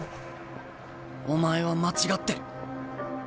お前は間違ってる。